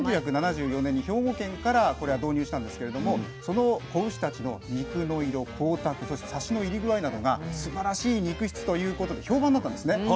１９７４年に兵庫県からこれは導入したんですけれどもその子牛たちの肉の色光沢そしてサシの入り具合などがすばらしい肉質ということで評判になったんですね。